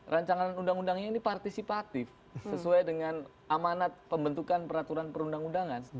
rancangan undang undangnya ini partisipatif sesuai dengan amanat pembentukan peraturan perundang undangan